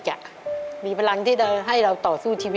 เงินเงินเงินเงิน